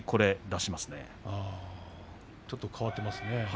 ちょっと変わっていますね。